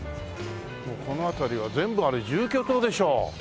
もうこの辺りは全部あれ住居棟でしょう。